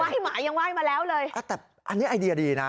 ว่ายหมายังว่ายมาแล้วเลยอ่าแต่อันนี้ไอเดียดีนะ